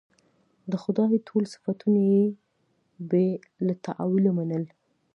د خدای ټول صفتونه یې بې له تأویله منل.